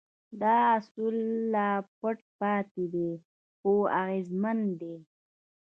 دا اصول لا پټ پاتې دي خو اغېزمن دي.